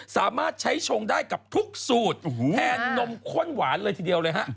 สามารถใช้ชงได้กับทุกสูตรแทนนมข้นหวานเลยทีเดียวเลยฮะ